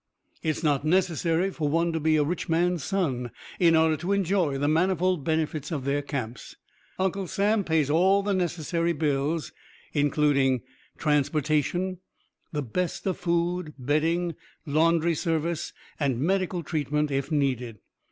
It is not necessary for one to be a rich man's son in order to enjoy the manifold benefits of their Camps. Uncle Sam pays all the necessary bills including transportation, the best of food, bedding, laundry service and medical treatment if needed.